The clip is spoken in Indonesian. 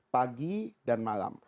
pagi dan malam